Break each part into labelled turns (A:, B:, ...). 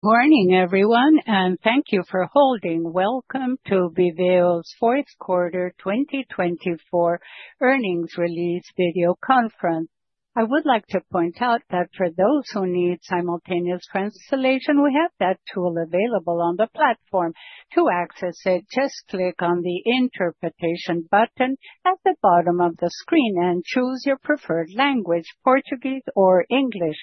A: Good morning, everyone, and thank you for holding. Welcome to Viveo's Fourth Quarter 2024 Earnings Release Video Conference. I would like to point out that for those who need simultaneous translation, we have that tool available on the platform. To access it, just click on the Interpretation button at the bottom of the screen and choose your preferred language: Portuguese or English.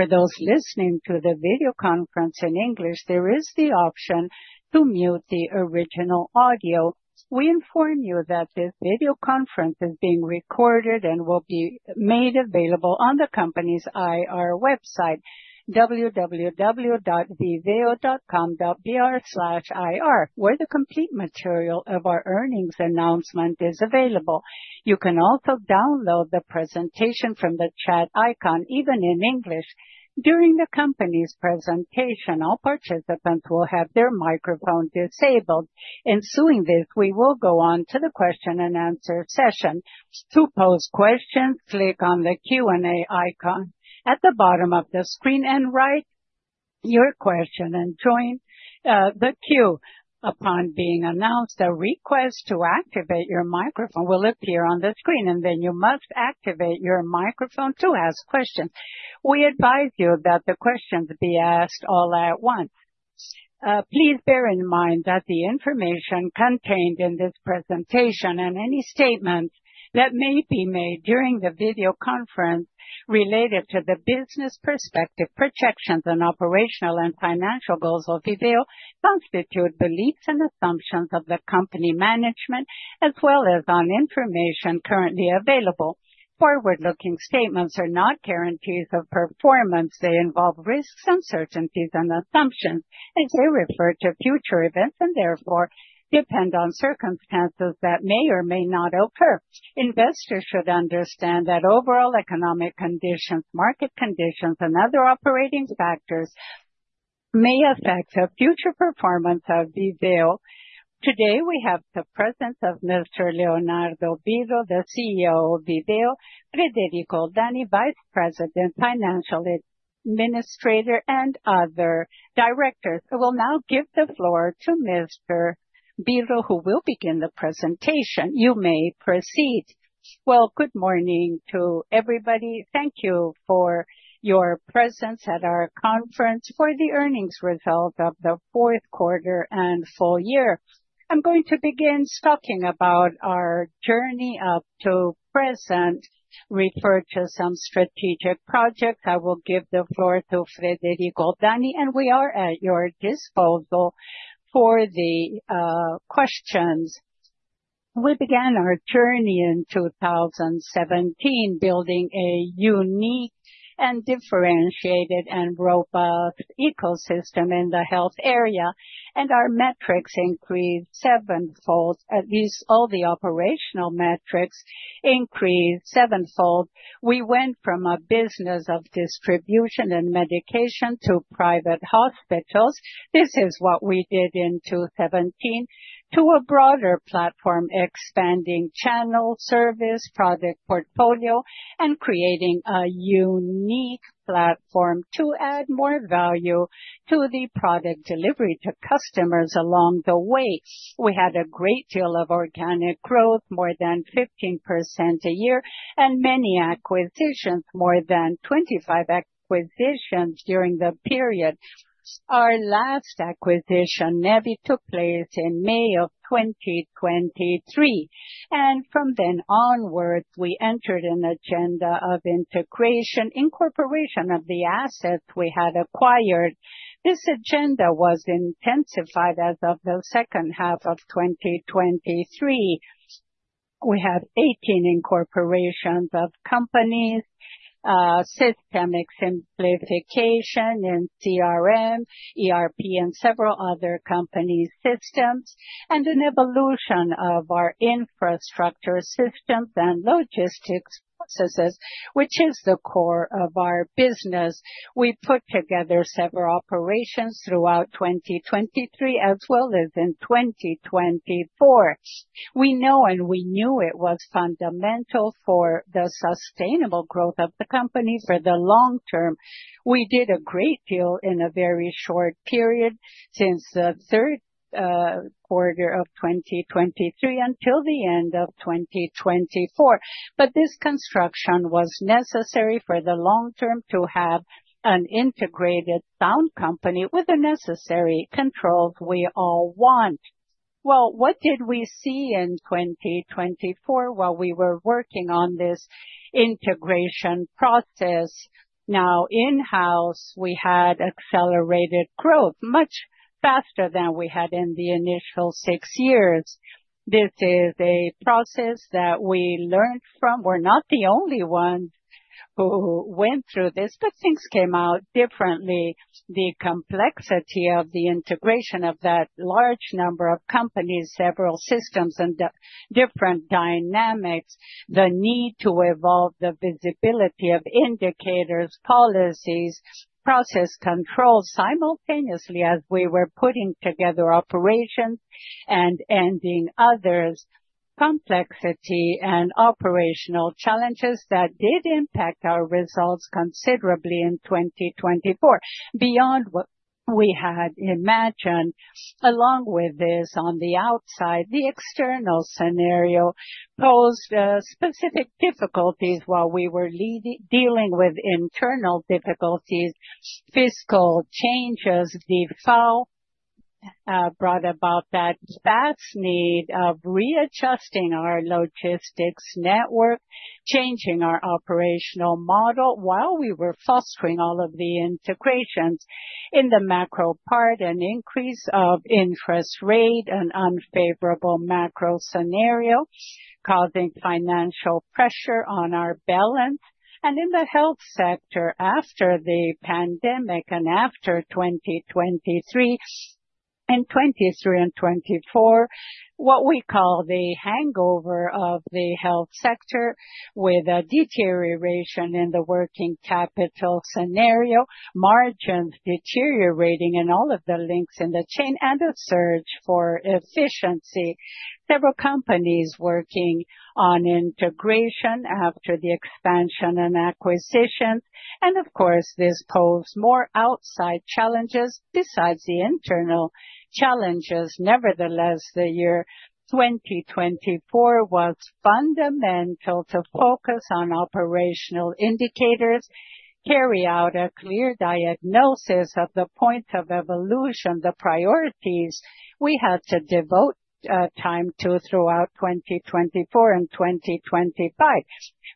A: For those listening to the video conference in English, there is the option to mute the original audio. We inform you that this video conference is being recorded and will be made available on the company's IR website, www.viveo.com.br/ir, where the complete material of our earnings announcement is available. You can also download the presentation from the chat icon, even in English. During the company's presentation, all participants will have their microphone disabled. In suing this, we will go on to the question and answer session. To post questions, click on the Q&A icon at the bottom of the screen and write your question and join the queue. Upon being announced, a request to activate your microphone will appear on the screen, and then you must activate your microphone to ask questions. We advise you that the questions be asked all at once. Please bear in mind that the information contained in this presentation and any statements that may be made during the video conference related to the business perspective, projections, and operational and financial goals of Viveo constitute beliefs and assumptions of the company management, as well as on information currently available. Forward-looking statements are not guarantees of performance. They involve risks, uncertainties, and assumptions, as they refer to future events and therefore depend on circumstances that may or may not occur. Investors should understand that overall economic conditions, market conditions, and other operating factors may affect the future performance of Viveo. Today, we have the presence of Mr. Leonardo Bido, the CEO of Viveo, Federico Dani, Vice President, Financial Administrator, and other directors. I will now give the floor to Mr. Bido, who will begin the presentation. You may proceed. Good morning to everybody. Thank you for your presence at our conference for the earnings result of the fourth quarter and full year. I'm going to begin talking about our journey up to present, refer to some strategic projects. I will give the floor to Federico Dani, and we are at your disposal for the questions. We began our journey in 2017, building a unique and differentiated and robust ecosystem in the health area, and our metrics increased sevenfold. At least all the operational metrics increased sevenfold. We went from a business of distribution and medication to private hospitals. This is what we did in 2017, to a broader platform, expanding channel service, product portfolio, and creating a unique platform to add more value to the product delivery to customers along the way. We had a great deal of organic growth, more than 15% a year, and many acquisitions, more than 25 acquisitions during the period. Our last acquisition, NEVI, took place in May of 2023, and from then onward, we entered an agenda of integration, incorporation of the assets we had acquired. This agenda was intensified as of the second half of 2023. We had 18 incorporations of companies, systemic simplification in CRM, ERP, and several other company systems, and an evolution of our infrastructure systems and logistics processes, which is the core of our business. We put together several operations throughout 2023, as well as in 2024. We know, and we knew it was fundamental for the sustainable growth of the company for the long term. We did a great deal in a very short period since the third quarter of 2023 until the end of 2024, but this construction was necessary for the long term to have an integrated sound company with the necessary controls we all want. What did we see in 2024? While we were working on this integration process, now in-house, we had accelerated growth much faster than we had in the initial six years. This is a process that we learned from. We're not the only ones who went through this, but things came out differently. The complexity of the integration of that large number of companies, several systems, and different dynamics, the need to evolve the visibility of indicators, policies, process controls simultaneously as we were putting together operations and ending others, complexity and operational challenges that did impact our results considerably in 2024, beyond what we had imagined. Along with this, on the outside, the external scenario posed specific difficulties while we were dealing with internal difficulties. Fiscal changes, default, brought about that vast need of readjusting our logistics network, changing our operational model while we were fostering all of the integrations. In the macro part, an increase of interest rate and unfavorable macro scenario causing financial pressure on our balance. In the health sector, after the pandemic and after 2023 and 2024, what we call the hangover of the health sector, with a deterioration in the working capital scenario, margins deteriorating in all of the links in the chain, and a surge for efficiency. Several companies working on integration after the expansion and acquisitions, and of course, this posed more outside challenges besides the internal challenges. Nevertheless, the year 2024 was fundamental to focus on operational indicators, carry out a clear diagnosis of the point of evolution, the priorities we had to devote time to throughout 2024 and 2025.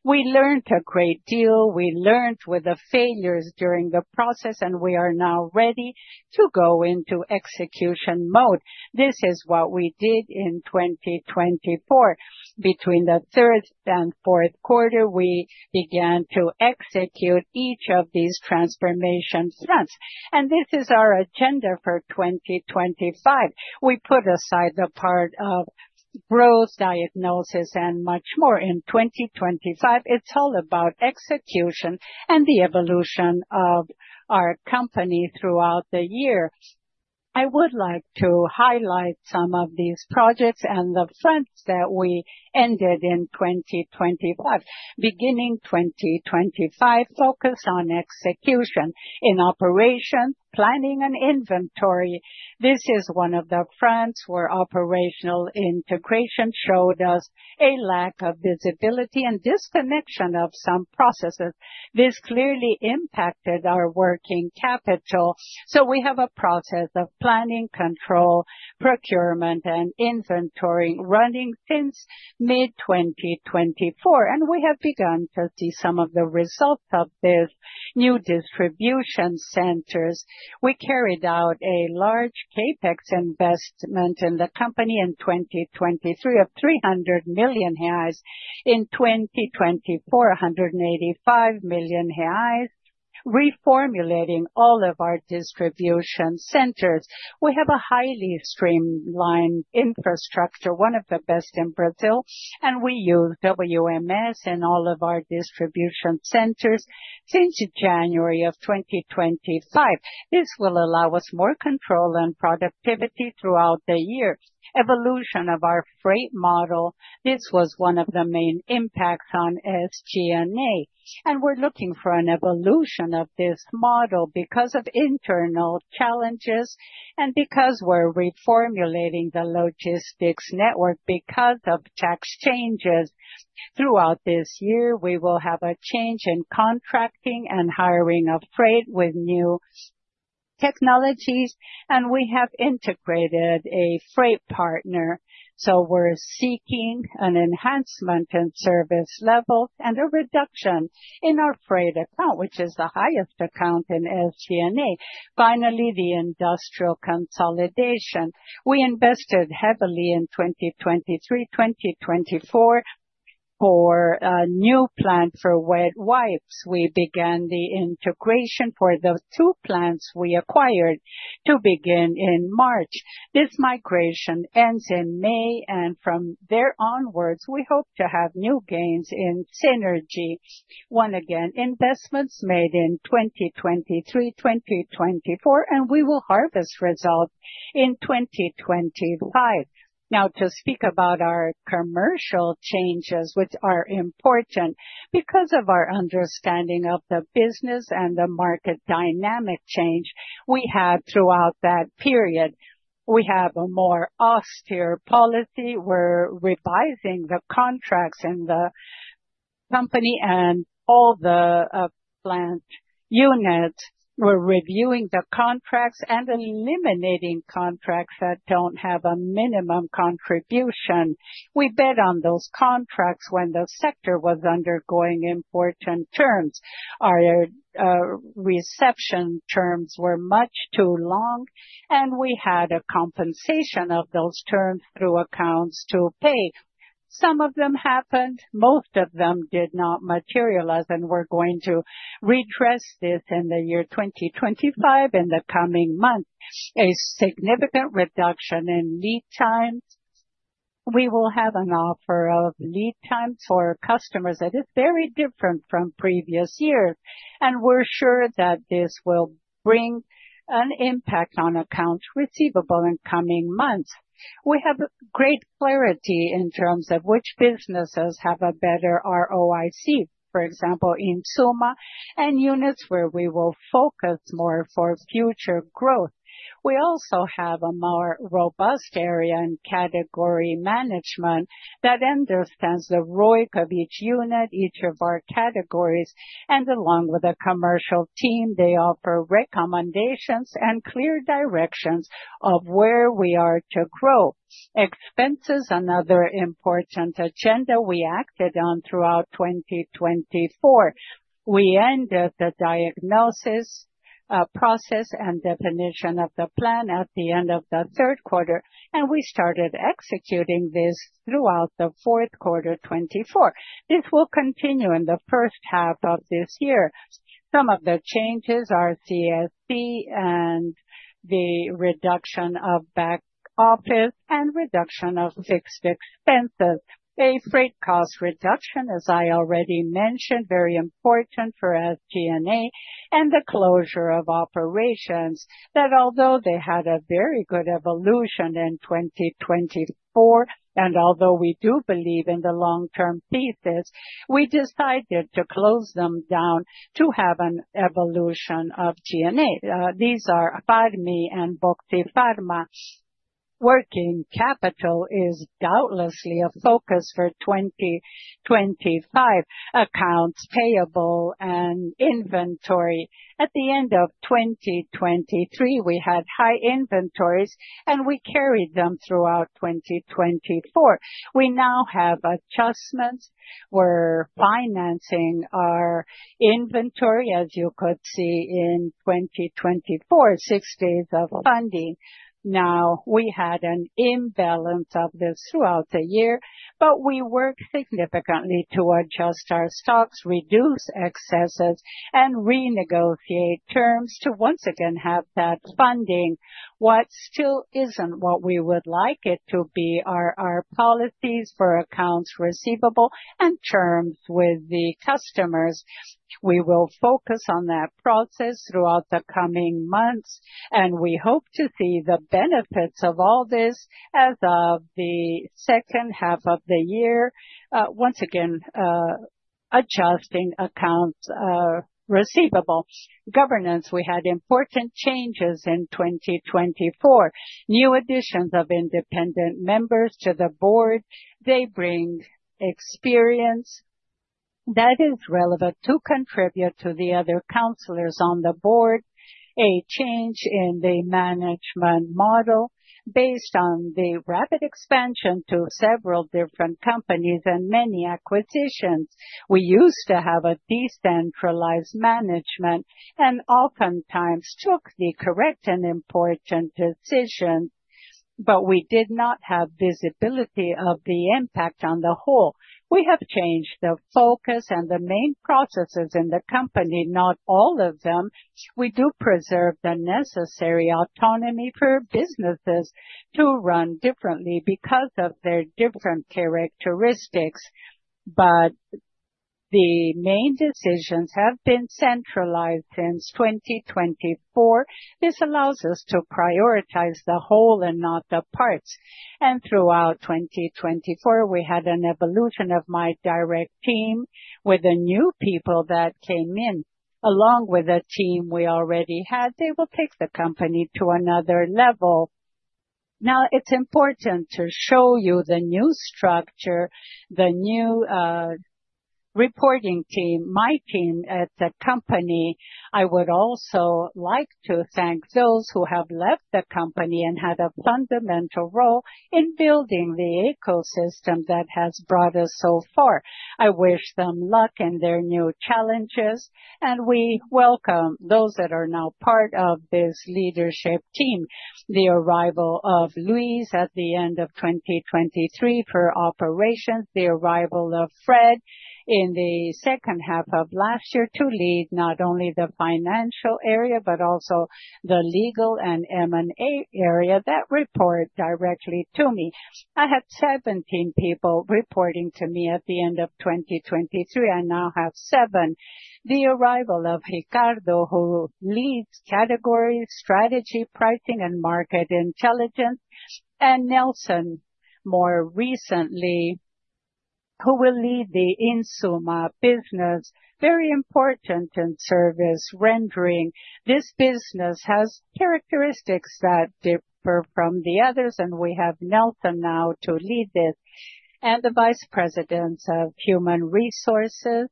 A: We learned a great deal. We learned with the failures during the process, and we are now ready to go into execution mode. This is what we did in 2024. Between the third and fourth quarter, we began to execute each of these transformation fronts, and this is our agenda for 2025. We put aside the part of growth, diagnosis, and much more. In 2025, it's all about execution and the evolution of our company throughout the year. I would like to highlight some of these projects and the fronts that we ended in 2025. Beginning 2025, focus on execution in operations, planning, and inventory. This is one of the fronts where operational integration showed us a lack of visibility and disconnection of some processes. This clearly impacted our working capital. We have a process of planning, control, procurement, and inventory running since mid-2024, and we have begun to see some of the results of this new distribution centers. We carried out a large CapEx investment in the company in 2023 of 300 million reais; in 2024, 185 million reais, reformulating all of our distribution centers. We have a highly streamlined infrastructure, one of the best in Brazil, and we use WMS in all of our distribution centers since January of 2025. This will allow us more control and productivity throughout the year. Evolution of our freight model, this was one of the main impacts on SG&A, and we're looking for an evolution of this model because of internal challenges and because we're reformulating the logistics network because of tax changes. Throughout this year, we will have a change in contracting and hiring of freight with new technologies, and we have integrated a freight partner. We're seeking an enhancement in service level and a reduction in our freight account, which is the highest account in SG&A. Finally, the industrial consolidation. We invested heavily in 2023-2024 for a new plant for wet wipes. We began the integration for the two plants we acquired to begin in March. This migration ends in May, and from there onwards, we hope to have new gains in synergy. Once again, investments made in 2023-2024, and we will harvest results in 2025. Now, to speak about our commercial changes, which are important because of our understanding of the business and the market dynamic change we had throughout that period. We have a more austere policy. We're revising the contracts in the company and all the plant units. We're reviewing the contracts and eliminating contracts that don't have a minimum contribution. We bet on those contracts when the sector was undergoing important terms. Our reception terms were much too long, and we had a compensation of those terms through accounts to pay. Some of them happened. Most of them did not materialize, and we're going to redress this in the year 2025, in the coming months. A significant reduction in lead times. We will have an offer of lead times for customers that is very different from previous years, and we're sure that this will bring an impact on accounts receivable in coming months. We have great clarity in terms of which businesses have a better ROIC, for example, in SUMA and units where we will focus more for future growth. We also have a more robust area and category management that understands the ROIC of each unit, each of our categories, and along with a commercial team, they offer recommendations and clear directions of where we are to grow. Expenses, another important agenda we acted on throughout 2024. We ended the diagnosis process and definition of the plan at the end of the third quarter, and we started executing this throughout the fourth quarter 2024. This will continue in the first half of this year. Some of the changes are CSC and the reduction of back office and reduction of fixed expenses. A freight cost reduction, as I already mentioned, very important for SG&A and the closure of operations that, although they had a very good evolution in 2024, and although we do believe in the long-term thesis, we decided to close them down to have an evolution of G&A. These are FADMI and DOCTIPHARMA. Working capital is doubtlessly a focus for 2025, accounts payable and inventory. At the end of 2023, we had high inventories, and we carried them throughout 2024. We now have adjustments. We're financing our inventory, as you could see in 2024, six days of funding. Now, we had an imbalance of this throughout the year, but we work significantly to adjust our stocks, reduce excesses, and renegotiate terms to once again have that funding. What still isn't what we would like it to be are our policies for accounts receivable and terms with the customers. We will focus on that process throughout the coming months, and we hope to see the benefits of all this as of the second half of the year, once again adjusting accounts receivable. Governance, we had important changes in 2024. New additions of independent members to the board. They bring experience that is relevant to contribute to the other counselors on the board. A change in the management model based on the rapid expansion to several different companies and many acquisitions. We used to have a decentralized management and oftentimes took the correct and important decisions, but we did not have visibility of the impact on the whole. We have changed the focus and the main processes in the company, not all of them. We do preserve the necessary autonomy for businesses to run differently because of their different characteristics, but the main decisions have been centralized since 2024. This allows us to prioritize the whole and not the parts. Throughout 2024, we had an evolution of my direct team with the new people that came in. Along with the team we already had, they will take the company to another level. Now, it's important to show you the new structure, the new reporting team, my team at the company. I would also like to thank those who have left the company and had a fundamental role in building the ecosystem that has brought us so far. I wish them luck in their new challenges, and we welcome those that are now part of this leadership team. The arrival of Luis at the end of 2023 for operations, the arrival of Fred in the second half of last year to lead not only the financial area, but also the legal and M&A area that report directly to me. I had 17 people reporting to me at the end of 2023. I now have seven. The arrival of Ricardo, who leads categories, strategy, pricing, and market intelligence, and Nelson, more recently, who will lead the Insuma business, very important in service rendering. This business has characteristics that differ from the others, and we have Nelson now to lead it, and the Vice Presidents of Human Resources,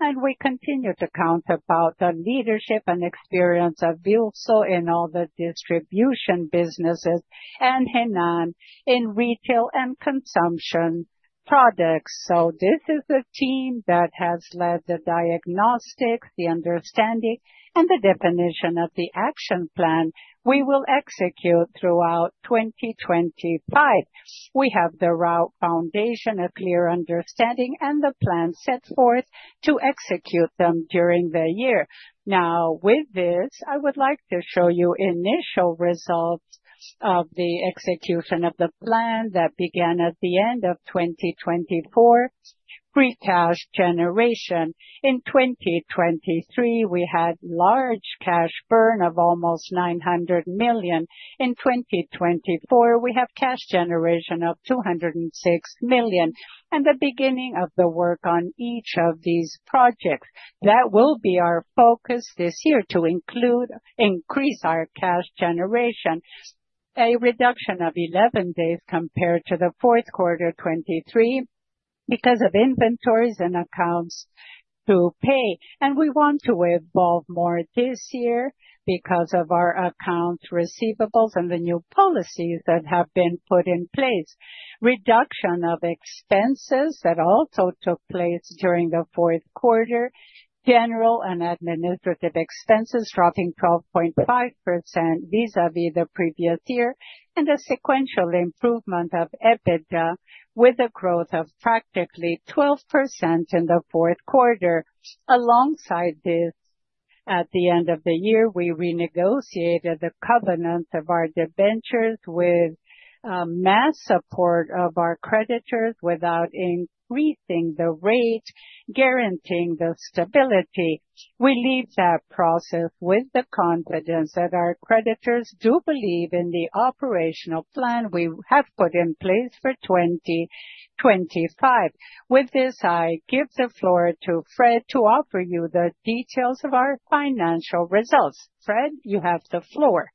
A: and we continue to count on the leadership and experience of Vilso in all the distribution businesses and Hennan in retail and consumption products. This is the team that has led the diagnostics, the understanding, and the definition of the action plan we will execute throughout 2025. We have the route foundation, a clear understanding, and the plan set forth to execute them during the year. Now, with this, I would like to show you initial results of the execution of the plan that began at the end of 2024, pre-cash generation. In 2023, we had large cash burn of almost 900 million. In 2024, we have cash generation of 206 million and the beginning of the work on each of these projects. That will be our focus this year to increase our cash generation, a reduction of 11 days compared to the fourth quarter 2023 because of inventories and accounts to pay. We want to evolve more this year because of our accounts receivable and the new policies that have been put in place. Reduction of expenses that also took place during the fourth quarter, general and administrative expenses dropping 12.5% vis-à-vis the previous year, and a sequential improvement of EBITDA with a growth of practically 12% in the fourth quarter. Alongside this, at the end of the year, we renegotiated the covenants of our debentures with mass support of our creditors without increasing the rate, guaranteeing the stability. We leave that process with the confidence that our creditors do believe in the operational plan we have put in place for 2025. With this, I give the floor to Fred to offer you the details of our financial results. Fred, you have the floor.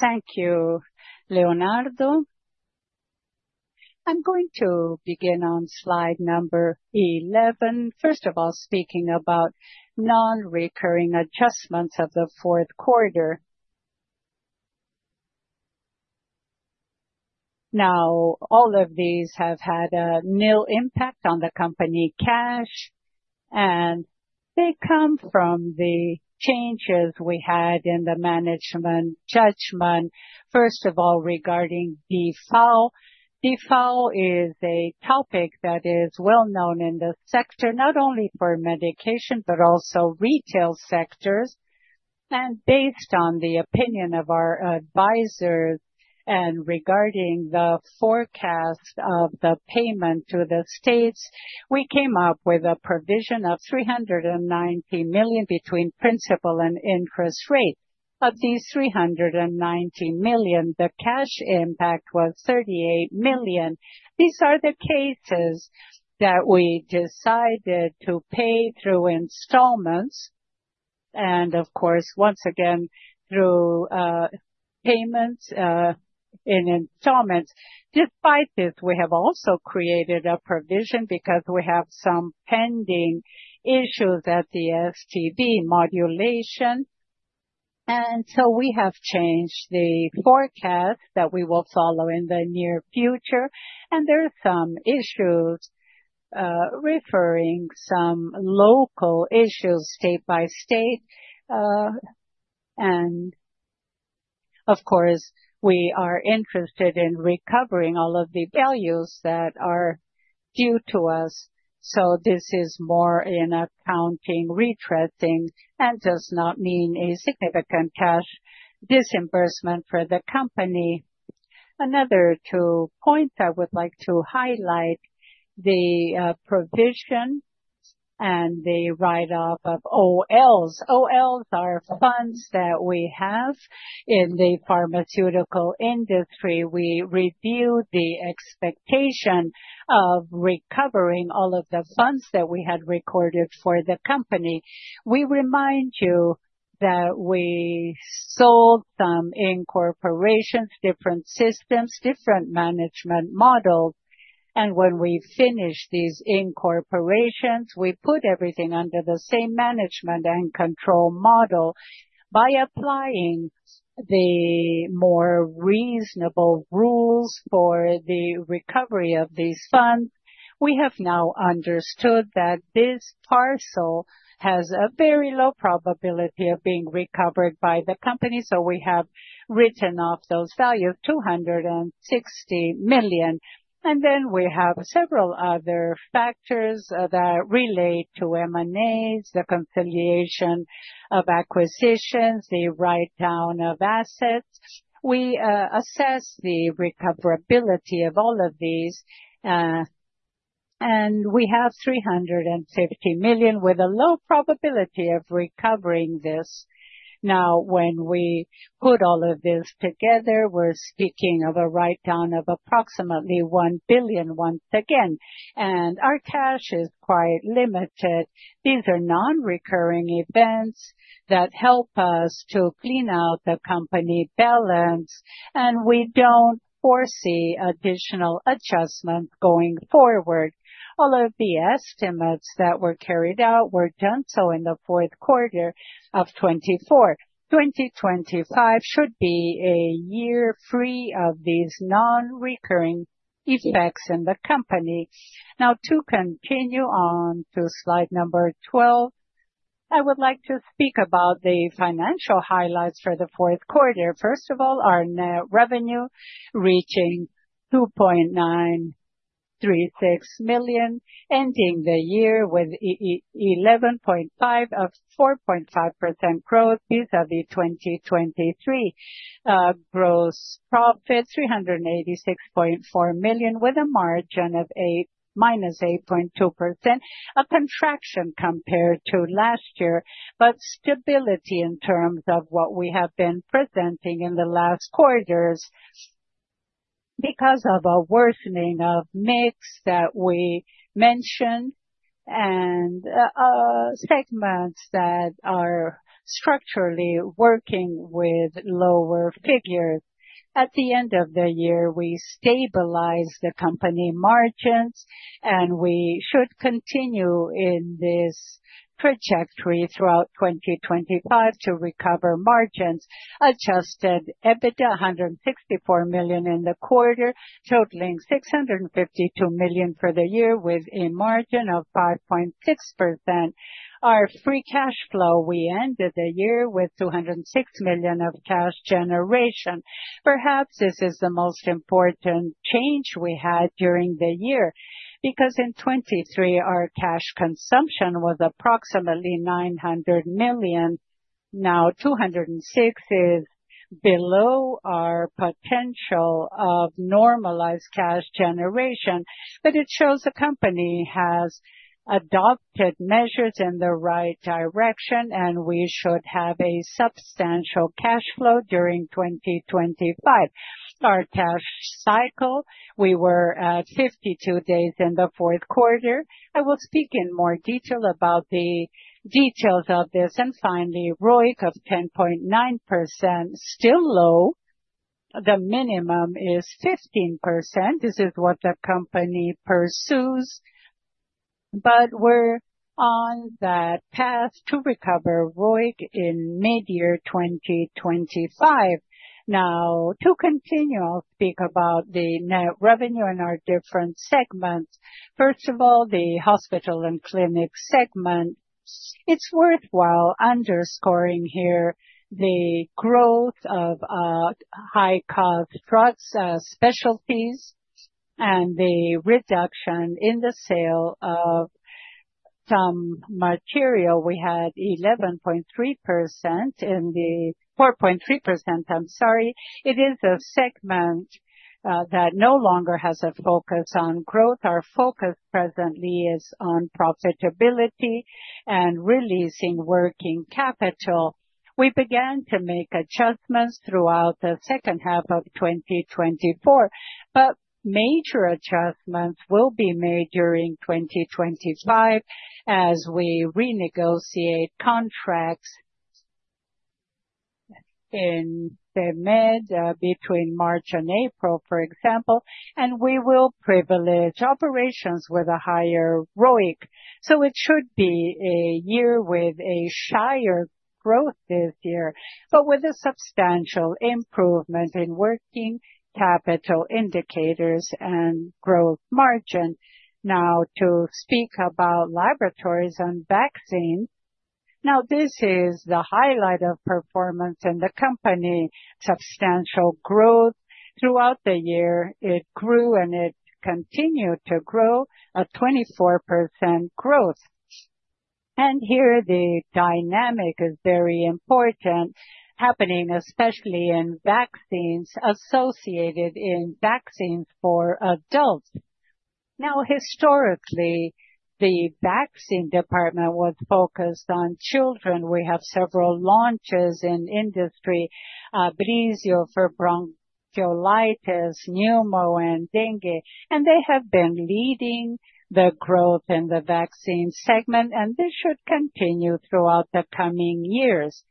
A: Thank you, Leonardo. I'm going to begin on slide number 11. First of all, speaking about non-recurring adjustments of the fourth quarter. All of these have had a nil impact on the company cash, and they come from the changes we had in the management judgment. First of all, regarding default. Default is a topic that is well known in the sector, not only for medication, but also retail sectors. Based on the opinion of our advisors and regarding the forecast of the payment to the states, we came up with a provision of 390 million between principal and interest rate. Of these 390 million, the cash impact was 38 million. These are the cases that we decided to pay through installments and, of course, once again, through payments in installments. Despite this, we have also created a provision because we have some pending issues at the STB modulation. We have changed the forecast that we will follow in the near future. There are some issues referring to some local issues state by state. Of course, we are interested in recovering all of the values that are due to us. This is more in accounting retressing and does not mean a significant cash disbursement for the company. Another two points I would like to highlight: the provision and the write-off of OLs. OLs are funds that we have in the pharmaceutical industry. We reviewed the expectation of recovering all of the funds that we had recorded for the company. We remind you that we sold some incorporations, different systems, different management models. When we finished these incorporations, we put everything under the same management and control model. By applying the more reasonable rules for the recovery of these funds, we have now understood that this parcel has a very low probability of being recovered by the company. We have written off those values, 260 million. We have several other factors that relate to M&As, the conciliation of acquisitions, the write-down of assets. We assess the recoverability of all of these, and we have 350 million with a low probability of recovering this. Now, when we put all of this together, we are speaking of a write-down of approximately 1 billion once again. Our cash is quite limited. These are non-recurring events that help us to clean out the company balance, and we do not foresee additional adjustments going forward. All of the estimates that were carried out were done so in the fourth quarter of 2024. 2025 should be a year free of these non-recurring effects in the company. Now, to continue on to slide number 12, I would like to speak about the financial highlights for the fourth quarter. First of all, our net revenue reaching 2.936 million, ending the year with 11.5% of 4.5% growth vis-à-vis 2023. Gross profit, 386.4 million, with a margin of -8.2%, a contraction compared to last year, but stability in terms of what we have been presenting in the last quarters because of a worsening of mix that we mentioned and segments that are structurally working with lower figures. At the end of the year, we stabilized the company margins, and we should continue in this trajectory throughout 2025 to recover margins. Adjusted EBITDA, 164 million in the quarter, totaling 652 million for the year with a margin of 5.6%. Our free cash flow, we ended the year with 206 million of cash generation. Perhaps this is the most important change we had during the year because in 2023, our cash consumption was approximately 900 million. Now, 206 million is below our potential of normalized cash generation, but it shows the company has adopted measures in the right direction, and we should have a substantial cash flow during 2025. Our cash cycle, we were at 52 days in the fourth quarter. I will speak in more detail about the details of this. Finally, ROIC of 10.9%, still low. The minimum is 15%. This is what the company pursues, but we're on that path to recover ROIC in mid-year 2025. Now, to continue, I'll speak about the net revenue and our different segments. First of all, the hospital and clinic segment. It's worthwhile underscoring here the growth of high-cost drug specialties and the reduction in the sale of some material. We had 11.3% in the 4.3%, I'm sorry. It is a segment that no longer has a focus on growth. Our focus presently is on profitability and releasing working capital. We began to make adjustments throughout the second half of 2024, but major adjustments will be made during 2025 as we renegotiate contracts in the mid between March and April, for example, and we will privilege operations with a higher ROIC. It should be a year with a shyer growth this year, but with a substantial improvement in working capital indicators and growth margin. Now, to speak about laboratories and vaccines. This is the highlight of performance in the company. Substantial growth throughout the year. It grew and it continued to grow at 24% growth. Here, the dynamic is very important happening, especially in vaccines associated in vaccines for adults. Historically, the vaccine department was focused on children. We have several launches in industry, Brizio for bronchiolitis, pneumo, and dengue, and they have been leading the growth in the vaccine segment, and this should continue throughout the coming years.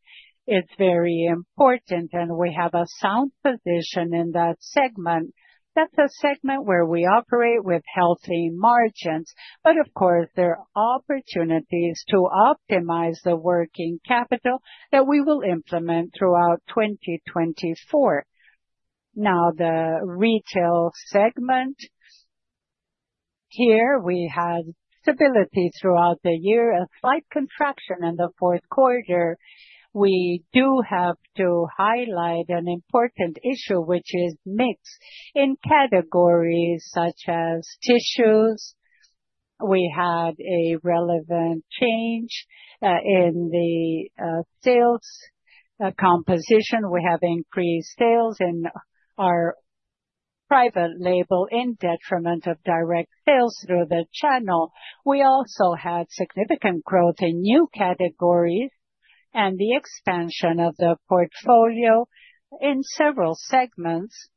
A: It is very important, and we have a sound position in that segment. That is a segment where we operate with healthy margins, but of course, there are opportunities to optimize the working capital that we will implement throughout 2024. Now, the retail segment here, we had stability throughout the year, a slight contraction in the fourth quarter. We do have to highlight an important issue, which is mix in categories such as tissues. We had a relevant change in the sales composition. We have increased sales in our private label in detriment of direct sales through the channel. We also had significant growth in new categories and the expansion of the portfolio in several segments.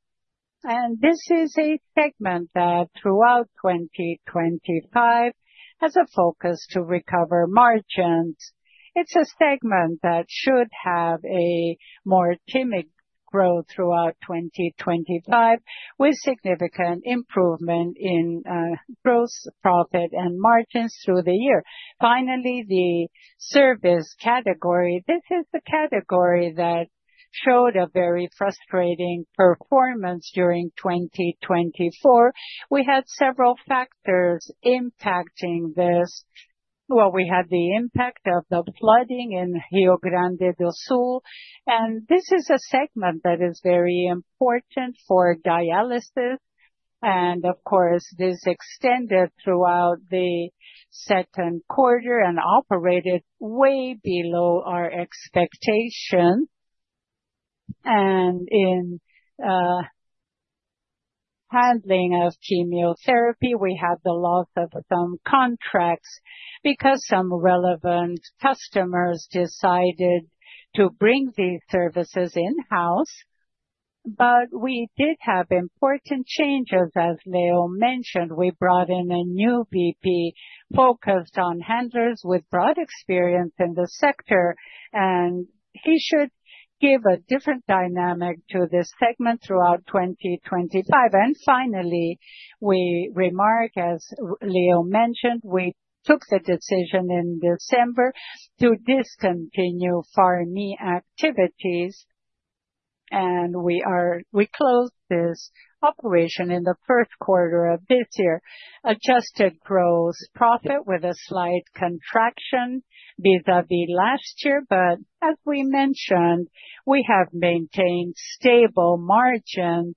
A: This is a segment that throughout 2025 has a focus to recover margins. It's a segment that should have a more timid growth throughout 2025 with significant improvement in gross profit and margins through the year. Finally, the service category. This is the category that showed a very frustrating performance during 2024. We had several factors impacting this. We had the impact of the flooding in Rio Grande do Sul, and this is a segment that is very important for dialysis. Of course, this extended throughout the second quarter and operated way below our expectation. In handling of chemotherapy, we had the loss of some contracts because some relevant customers decided to bring these services in-house. We did have important changes, as Leo mentioned. We brought in a new VP focused on handlers with broad experience in the sector, and he should give a different dynamic to this segment throughout 2025. Finally, we remark, as Leo mentioned, we took the decision in December to discontinue Pharmy activities, and we closed this operation in the first quarter of this year. Adjusted gross profit with a slight contraction vis-à-vis last year, but as we mentioned, we have maintained stable margins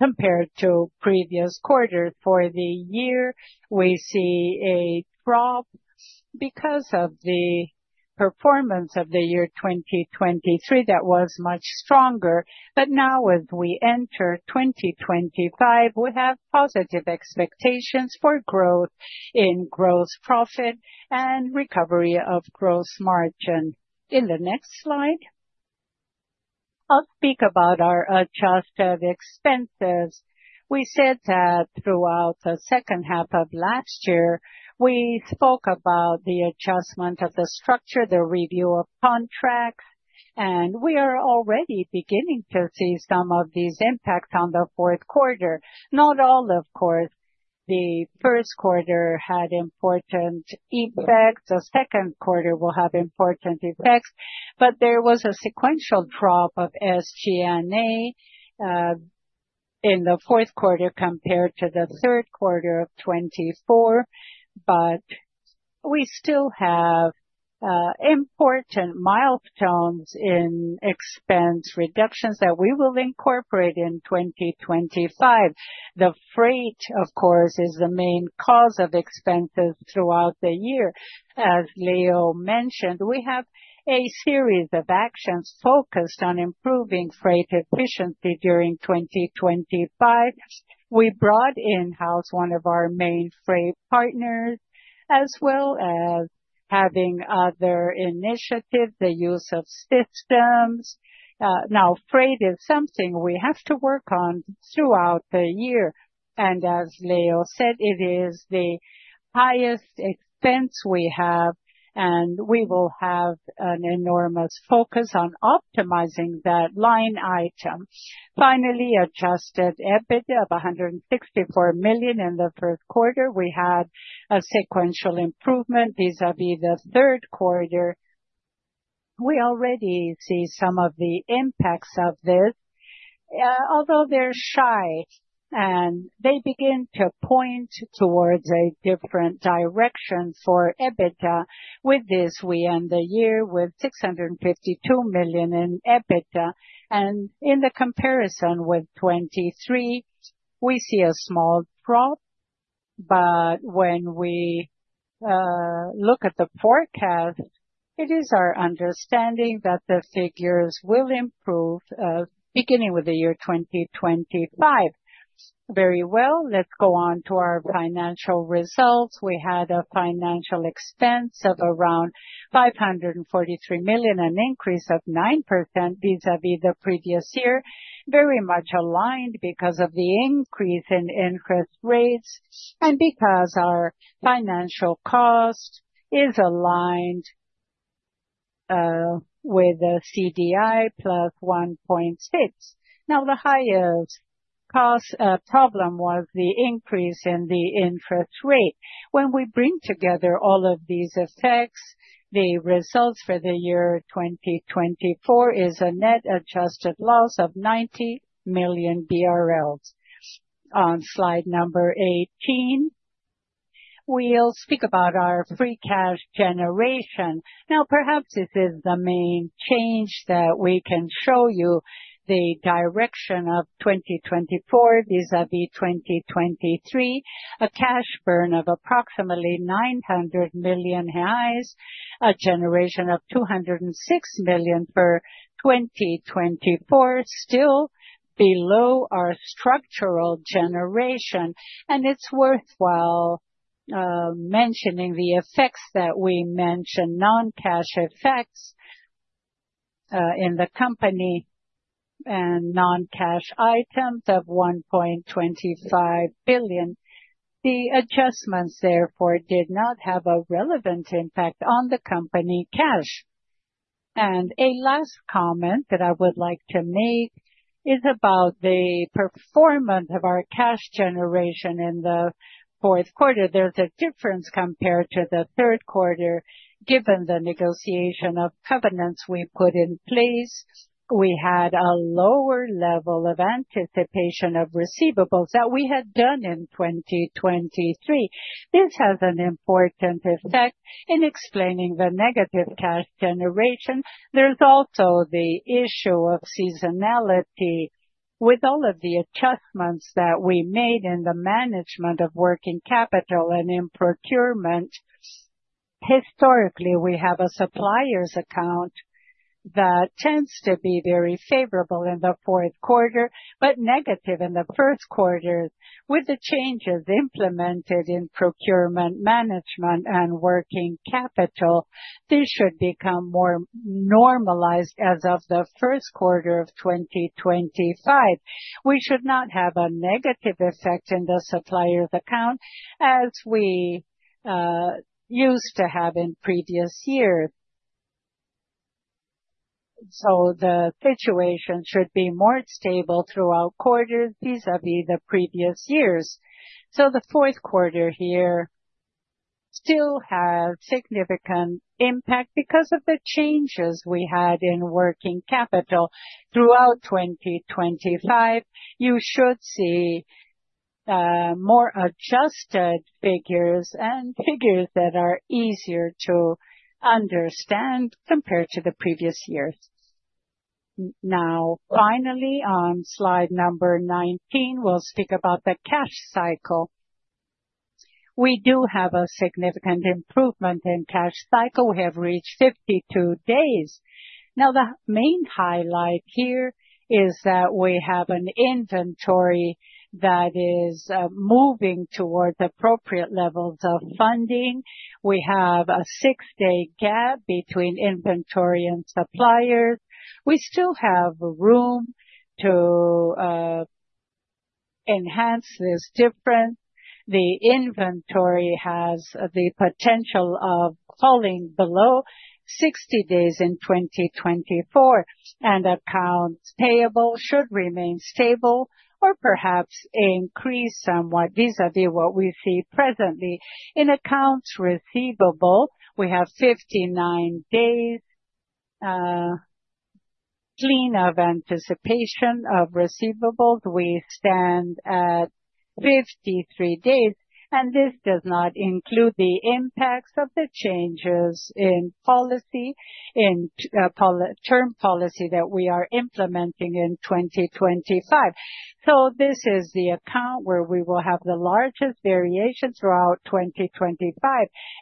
A: compared to previous quarters. For the year, we see a drop because of the performance of the year 2023 that was much stronger. Now, as we enter 2025, we have positive expectations for growth in gross profit and recovery of gross margin. In the next slide, I'll speak about our adjusted expenses. We said that throughout the second half of last year, we spoke about the adjustment of the structure, the review of contracts, and we are already beginning to see some of these impacts on the fourth quarter. Not all, of course. The first quarter had important effects. The second quarter will have important effects, but there was a sequential drop of SG&A in the fourth quarter compared to the third quarter of 2024. We still have important milestones in expense reductions that we will incorporate in 2025. The freight, of course, is the main cause of expenses throughout the year. As Leo mentioned, we have a series of actions focused on improving freight efficiency during 2025. We brought in-house one of our main freight partners, as well as having other initiatives, the use of systems. Freight is something we have to work on throughout the year. As Leo said, it is the highest expense we have, and we will have an enormous focus on optimizing that line item. Finally, adjusted EBITDA of 164 million in the first quarter. We had a sequential improvement vis-à-vis the third quarter. We already see some of the impacts of this, although they're shy, and they begin to point towards a different direction for EBITDA. With this, we end the year with 652 million in EBITDA. In the comparison with 2023, we see a small drop, but when we look at the forecast, it is our understanding that the figures will improve beginning with the year 2025. Very well. Let's go on to our financial results. We had a financial expense of around 543 million, an increase of 9% vis-à-vis the previous year, very much aligned because of the increase in interest rates and because our financial cost is aligned with the CDI plus 1.6. Now, the highest cost problem was the increase in the interest rate. When we bring together all of these effects, the results for the year 2024 is a net adjusted loss of 90 million BRL. On slide number 18, we'll speak about our free cash generation. Now, perhaps this is the main change that we can show you: the direction of 2024 vis-à-vis 2023, a cash burn of approximately 900 million reais highs, a generation of 206 million for 2024, still below our structural generation. It's worthwhile mentioning the effects that we mentioned: non-cash effects in the company and non-cash items of 1.25 billion. The adjustments, therefore, did not have a relevant impact on the company cash. A last comment that I would like to make is about the performance of our cash generation in the fourth quarter. There's a difference compared to the third quarter. Given the negotiation of covenants we put in place, we had a lower level of anticipation of receivables that we had done in 2023. This has an important effect in explaining the negative cash generation. is also the issue of seasonality with all of the adjustments that we made in the management of working capital and in procurement. Historically, we have a supplier's account that tends to be very favorable in the fourth quarter, but negative in the first quarter. With the changes implemented in procurement management and working capital, this should become more normalized as of the first quarter of 2025. We should not have a negative effect in the supplier's account as we used to have in previous years. The situation should be more stable throughout quarters vis-à-vis the previous years. The fourth quarter here still has significant impact because of the changes we had in working capital throughout 2025. You should see more adjusted figures and figures that are easier to understand compared to the previous years. Now, finally, on slide number 19, we will speak about the cash cycle. We do have a significant improvement in cash cycle. We have reached 52 days. Now, the main highlight here is that we have an inventory that is moving towards appropriate levels of funding. We have a six-day gap between inventory and suppliers. We still have room to enhance this difference. The inventory has the potential of falling below 60 days in 2024, and accounts payable should remain stable or perhaps increase somewhat vis-à-vis what we see presently. In accounts receivable, we have 59 days. Clean of anticipation of receivables, we stand at 53 days, and this does not include the impacts of the changes in policy, in term policy that we are implementing in 2025. This is the account where we will have the largest variation throughout 2025,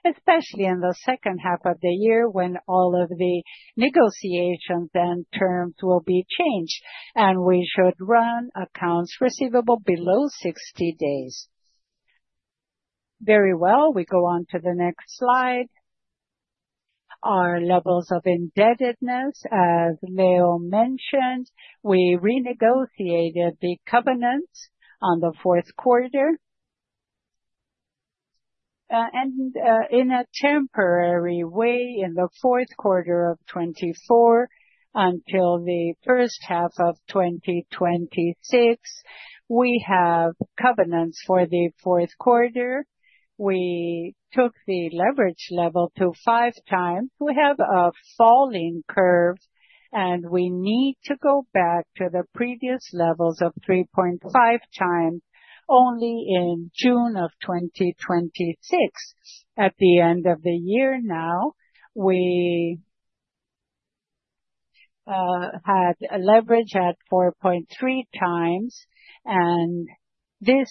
A: especially in the second half of the year when all of the negotiations and terms will be changed, and we should run accounts receivable below 60 days. Very well. We go on to the next slide. Our levels of indebtedness, as Leo mentioned, we renegotiated the covenants in the fourth quarter. In a temporary way, in the fourth quarter of 2024 until the first half of 2026, we have covenants for the fourth quarter. We took the leverage level to five times. We have a falling curve, and we need to go back to the previous levels of 3.5 times only in June of 2026. At the end of the year now, we had leverage at 4.3 times, and this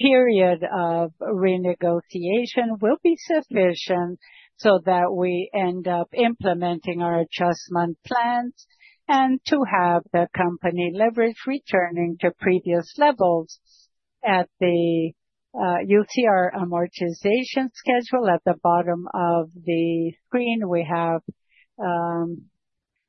A: period of renegotiation will be sufficient so that we end up implementing our adjustment plans and to have the company leverage returning to previous levels. At the UCR amortization schedule at the bottom of the screen, we have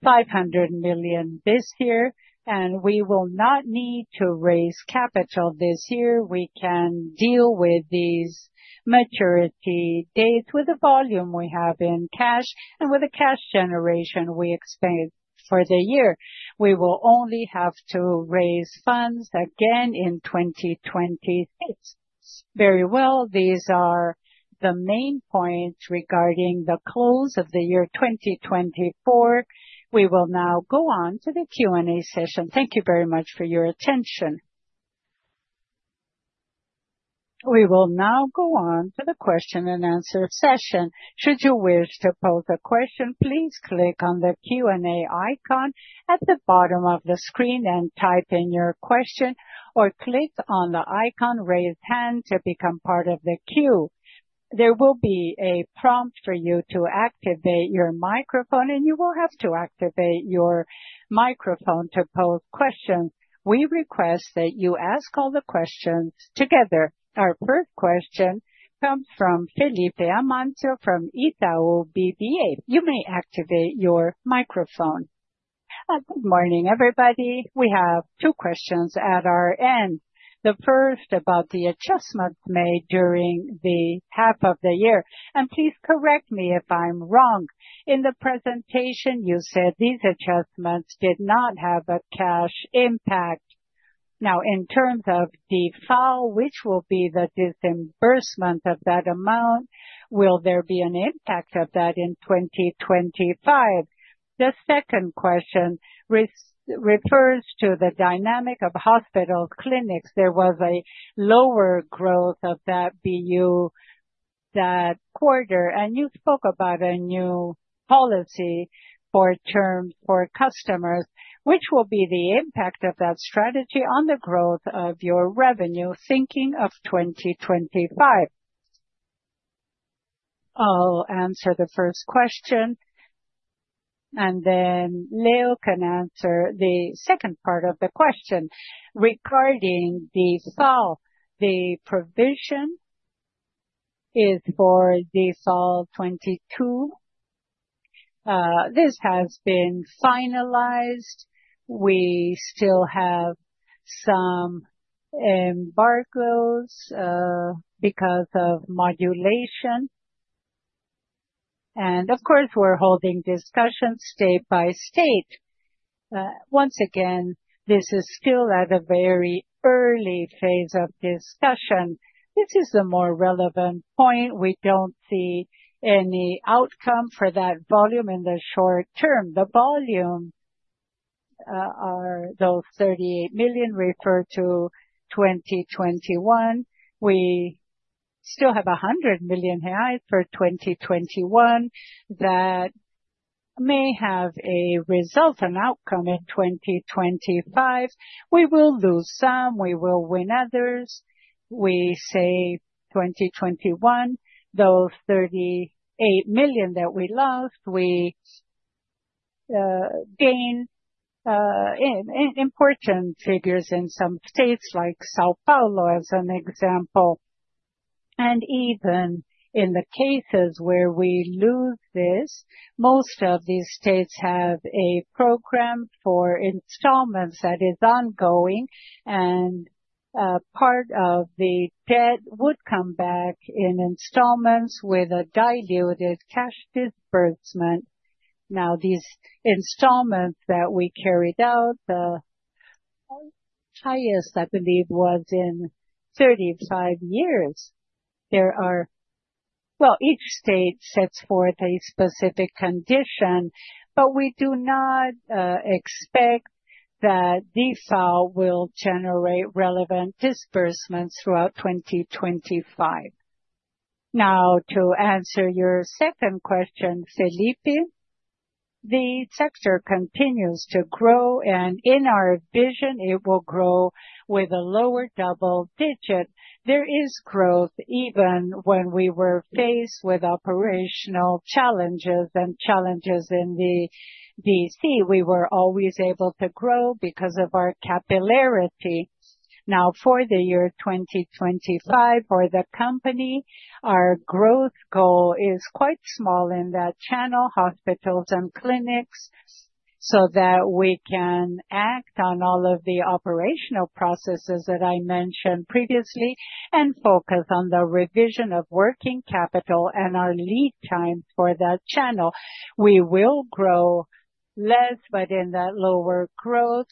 A: 500 million this year, and we will not need to raise capital this year. We can deal with these maturity dates with the volume we have in cash and with the cash generation we expect for the year. We will only have to raise funds again in 2026. Very well. These are the main points regarding the close of the year 2024. We will now go on to the Q&A session. Thank you very much for your attention. We will now go on to the question and answer session. Should you wish to pose a question, please click on the Q&A icon at the bottom of the screen and type in your question, or click on the icon raise hand to become part of the queue. There will be a prompt for you to activate your microphone, and you will have to activate your microphone to pose questions. We request that you ask all the questions together. Our first question comes from Felipe Amancio from Itaú BBA. You may activate your microphone. Good morning, everybody. We have two questions at our end. The first about the adjustments made during the half of the year. Please correct me if I'm wrong. In the presentation, you said these adjustments did not have a cash impact. Now, in terms of the file which will be the disbursement of that amount, will there be an impact of that in 2025? The second question refers to the dynamic of hospital clinics. There was a lower growth of that BU that quarter, and you spoke about a new policy for terms for customers. Which will be the impact of that strategy on the growth of your revenue thinking of 2025? I'll answer the first question, and then Leo can answer the second part of the question regarding the fall. The provision is for the fall 2022. This has been finalized. We still have some embargoes because of modulation. Of course, we're holding discussions state by state. Once again, this is still at a very early phase of discussion. This is the more relevant point. We don't see any outcome for that volume in the short term. The volume are those 38 million referred to 2021. We still have 100 million reais highs for 2021 that may have a result and outcome in 2025. We will lose some. We will win others. We say 2021, those 38 million that we lost, we gain important figures in some states like São Paulo as an example. Even in the cases where we lose this, most of these states have a program for installments that is ongoing, and part of the debt would come back in installments with a diluted cash disbursement. Now, these installments that we carried out, the highest, I believe, was in 35 years. Each state sets forth a specific condition, but we do not expect that the file will generate relevant disbursements throughout 2025. Now, to answer your second question, Felipe, the sector continues to grow, and in our vision, it will grow with a lower double digit. There is growth even when we were faced with operational challenges and challenges in the DC. We were always able to grow because of our capillarity. Now, for the year 2025, for the company, our growth goal is quite small in that channel, hospitals and clinics, so that we can act on all of the operational processes that I mentioned previously and focus on the revision of working capital and our lead time for that channel. We will grow less, but in that lower growth,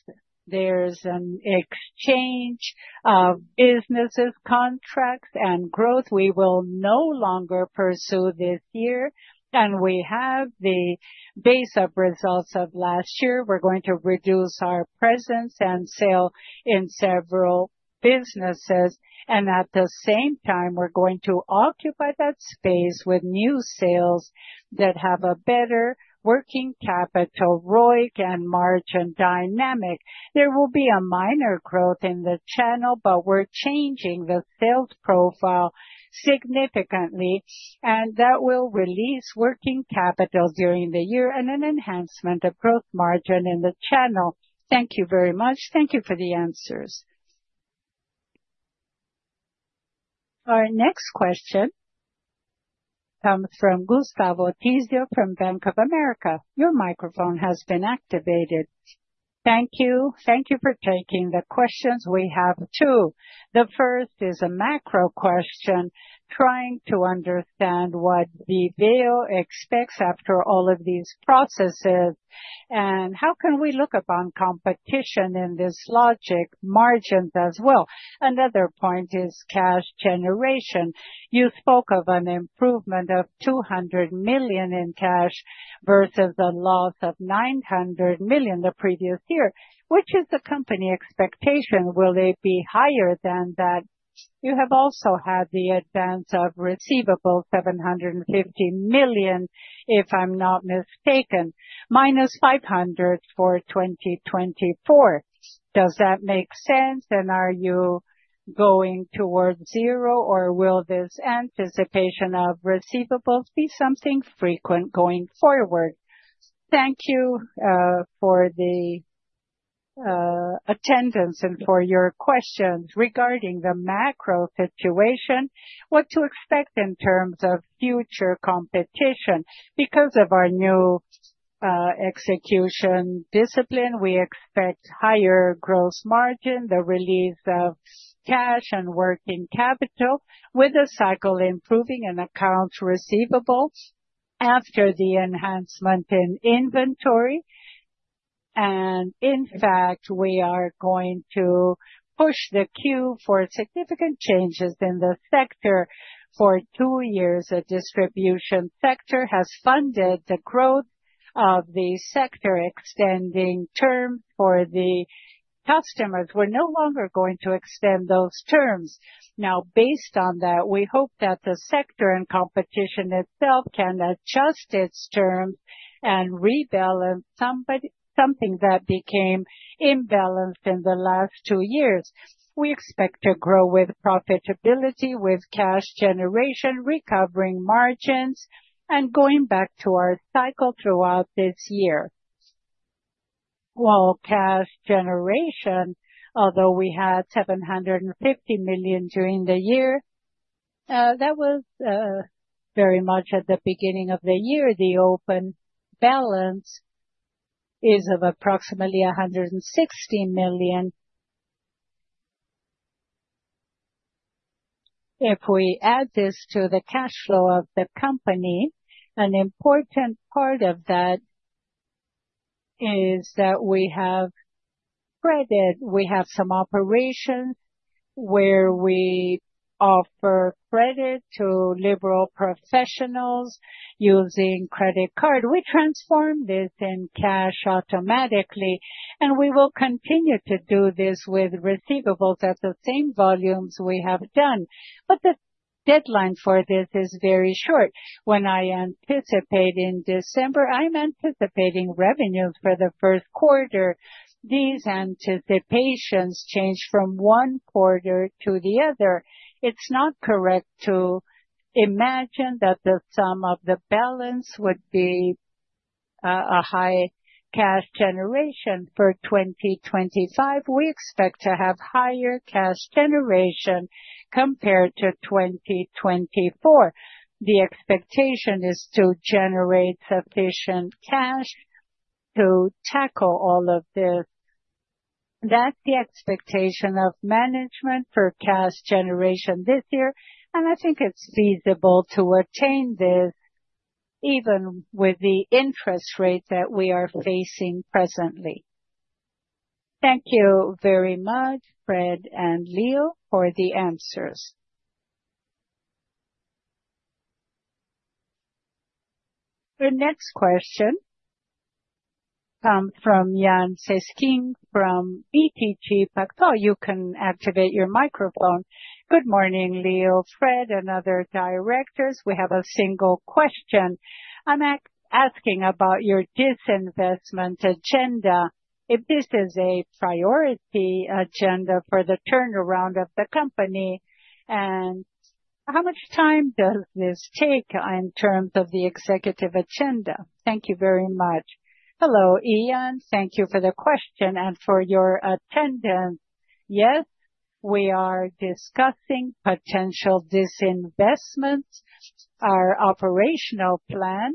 A: there's an exchange of businesses, contracts, and growth. We will no longer pursue this year, and we have the base of results of last year. We're going to reduce our presence and sale in several businesses, and at the same time, we're going to occupy that space with new sales that have a better working capital ROIC and margin dynamic. There will be a minor growth in the channel, but we're changing the sales profile significantly, and that will release working capital during the year and an enhancement of growth margin in the channel. Thank you very much. Thank you for the answers. Our next question comes from Gustavo Tizio from Bank of America. Your microphone has been activated. Thank you. Thank you for taking the questions. We have two. The first is a macro question, trying to understand what Viveo expects after all of these processes and how can we look upon competition in this logic, margins as well. Another point is cash generation. You spoke of an improvement of 200 million in cash versus a loss of 900 million the previous year. Which is the company expectation? Will it be higher than that? You have also had the advance of receivables, 750 million, if I'm not mistaken, -500 million for 2024. Does that make sense? Are you going towards zero, or will this anticipation of receivables be something frequent going forward? Thank you for the attendance and for your questions regarding the macro situation. What to expect in terms of future competition? Because of our new execution discipline, we expect higher gross margin, the release of cash and working capital, with a cycle improving in accounts receivable after the enhancement in inventory. In fact, we are going to push the queue for significant changes in the sector for two years. The distribution sector has funded the growth of the sector, extending terms for the customers. We're no longer going to extend those terms. Now, based on that, we hope that the sector and competition itself can adjust its terms and rebalance something that became imbalanced in the last two years. We expect to grow with profitability, with cash generation, recovering margins, and going back to our cycle throughout this year. While cash generation, although we had 750 million during the year, that was very much at the beginning of the year, the open balance is of approximately BRL 160 million. If we add this to the cash flow of the company, an important part of that is that we have credit. We have some operations where we offer credit to liberal professionals using credit cards. We transform this in cash automatically, and we will continue to do this with receivables at the same volumes we have done. The deadline for this is very short. When I anticipate in December, I'm anticipating revenues for the first quarter. These anticipations change from one quarter to the other. It's not correct to imagine that the sum of the balance would be a high cash generation for 2025. We expect to have higher cash generation compared to 2024. The expectation is to generate sufficient cash to tackle all of this. That's the expectation of management for cash generation this year, and I think it's feasible to attain this even with the interest rates that we are facing presently. Thank you very much, Fred and Leo, for the answers. Our next question comes from Yan Sisking from EPG Pacto. You can activate your microphone. Good morning, Leo, Fred, and other directors. We have a single question. I'm asking about your disinvestment agenda. If this is a priority agenda for the turnaround of the company, and how much time does this take in terms of the executive agenda? Thank you very much. Hello, Ian. Thank you for the question and for your attendance. Yes, we are discussing potential disinvestments. Our operational plan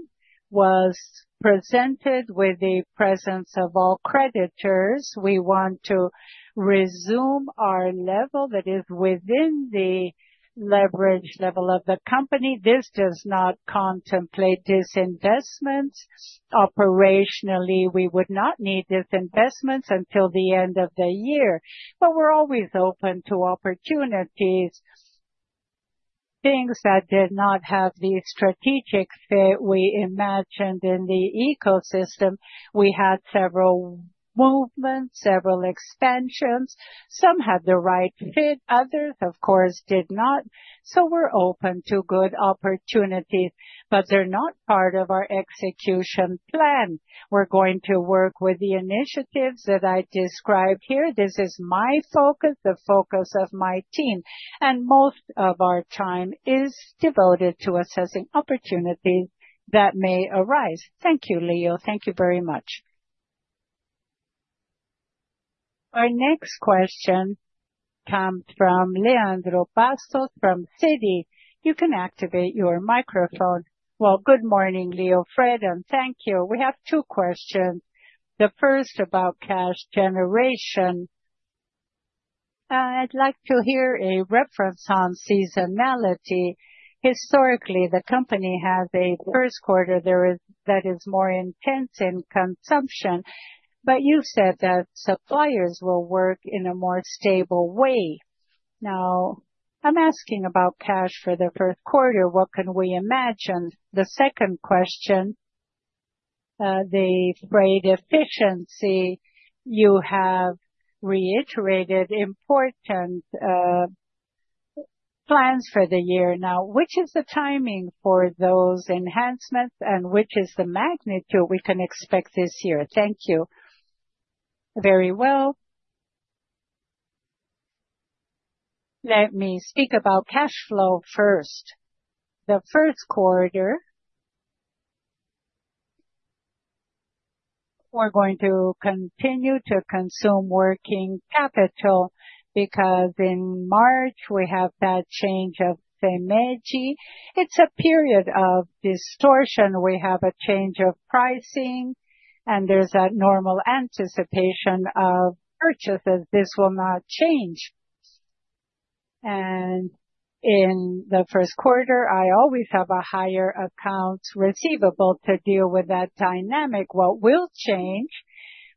A: was presented with the presence of all creditors. We want to resume our level that is within the leverage level of the company. This does not contemplate disinvestments. Operationally, we would not need disinvestments until the end of the year, but we're always open to opportunities. Things that did not have the strategic fit we imagined in the ecosystem. We had several movements, several expansions. Some had the right fit. Others, of course, did not. We are open to good opportunities, but they're not part of our execution plan. We're going to work with the initiatives that I described here. This is my focus, the focus of my team, and most of our time is devoted to assessing opportunities that may arise. Thank you, Leo. Thank you very much. Our next question comes from Leandro Bastos from Citi. You can activate your microphone. Good morning, Leo, Fred, and thank you. We have two questions. The first about cash generation. I'd like to hear a reference on seasonality. Historically, the company has a first quarter that is more intense in consumption, but you said that suppliers will work in a more stable way. Now, I'm asking about cash for the first quarter. What can we imagine? The second question, the freight efficiency, you have reiterated important plans for the year. Now, which is the timing for those enhancements, and which is the magnitude we can expect this year? Thank you very well. Let me speak about cash flow first. The first quarter, we're going to continue to consume working capital because in March, we have that change of Cemegi. It's a period of distortion. We have a change of pricing, and there's that normal anticipation of purchases. This will not change. In the first quarter, I always have a higher accounts receivable to deal with that dynamic. What will change?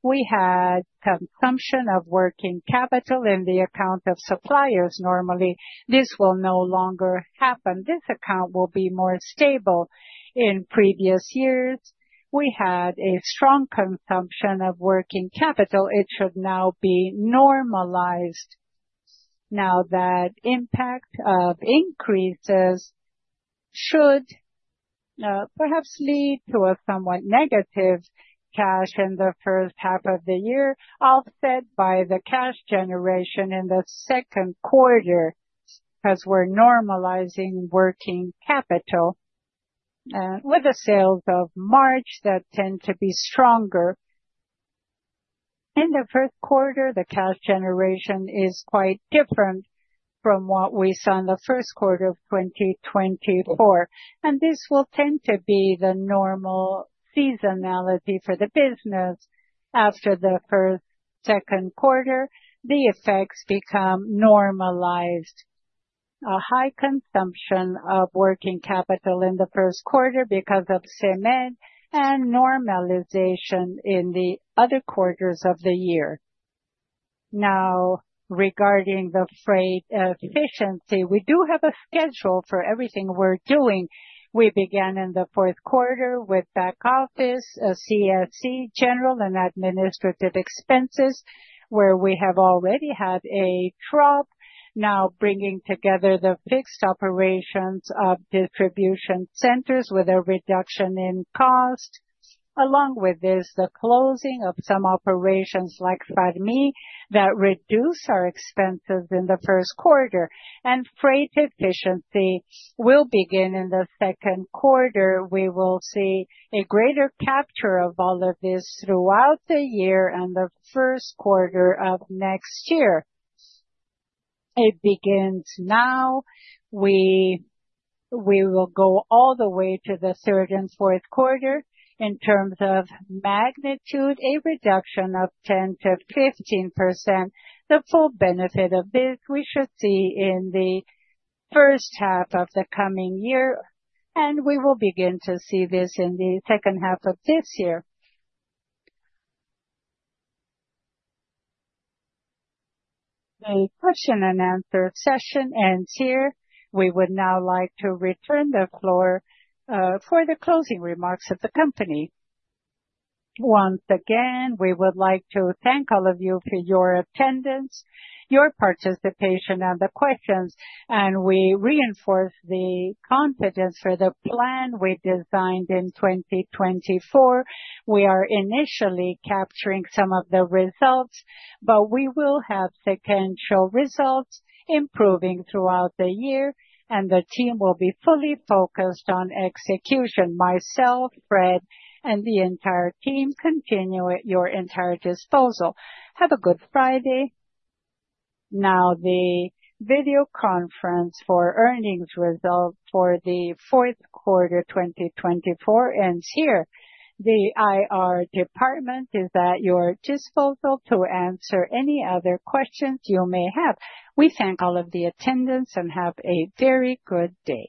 A: We had consumption of working capital in the account of suppliers. Normally, this will no longer happen. This account will be more stable. In previous years, we had a strong consumption of working capital. It should now be normalized. Now, that impact of increases should perhaps lead to a somewhat negative cash in the first half of the year, offset by the cash generation in the second quarter because we're normalizing working capital. With the sales of March, that tend to be stronger. In the first quarter, the cash generation is quite different from what we saw in the first quarter of 2024. This will tend to be the normal seasonality for the business after the first second quarter. The effects become normalized. A high consumption of working capital in the first quarter because of cement and normalization in the other quarters of the year. Now, regarding the freight efficiency, we do have a schedule for everything we're doing. We began in the fourth quarter with back office, CSC, general, and administrative expenses, where we have already had a drop. Now, bringing together the fixed operations of distribution centers with a reduction in cost. Along with this, the closing of some operations like FADMI that reduce our expenses in the first quarter. Freight efficiency will begin in the second quarter. We will see a greater capture of all of this throughout the year and the first quarter of next year. It begins now. We will go all the way to the third and fourth quarter in terms of magnitude, a reduction of 10%-15%. The full benefit of this we should see in the first half of the coming year, and we will begin to see this in the second half of this year. The question and answer session ends here. We would now like to return the floor for the closing remarks of the company. Once again, we would like to thank all of you for your attendance, your participation, and the questions. We reinforce the confidence for the plan we designed in 2024. We are initially capturing some of the results, but we will have sequential results improving throughout the year, and the team will be fully focused on execution. Myself, Fred, and the entire team continue at your entire disposal. Have a good Friday. Now, the video conference for earnings results for the fourth quarter 2024 ends here. The IR department is at your disposal to answer any other questions you may have. We thank all of the attendance and have a very good day.